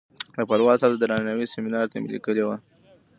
د پالوال صاحب د درناوۍ سیمینار ته مې لیکلې وه.